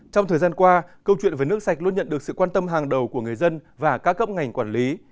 trong thời gian qua câu chuyện về nước sạch luôn nhận được sự quan tâm hàng đầu của người dân và các cấp ngành quản lý